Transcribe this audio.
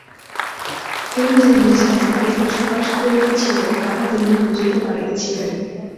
হেম যে বিছানায় এপাশ-ওপাশ করিতেছিল, তাহা তিনি বুঝিতে পারিতেছিলেন।